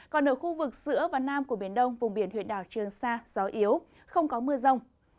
còn ở khu vực giữa và nam của biển đông vùng biển huyện đảo trường sa gió yếu không có mưa rông